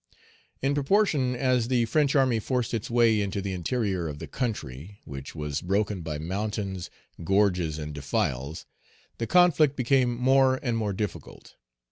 In proportion as the French army forced its way into the interior of the country, which was broken by mountains, gorges, and defiles, the conflict became more and more difficult.